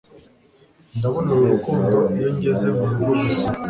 ndabona uru rukundo iyo ngeze murugo gusura